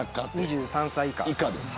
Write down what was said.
２３歳以下。